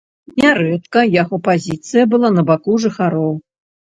Нярэдка яго пазіцыя была на баку жыхароў.